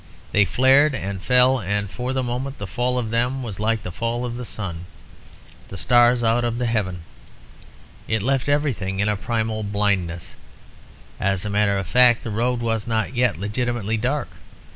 They flared and fell; and for the moment the fall of them was like the fall of the sun and stars out of heaven. It left everything in a primal blindness. As a matter of fact, the road was not yet legitimately dark.